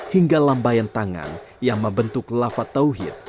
hingga lambayan tangan yang membentuk lafat tauhid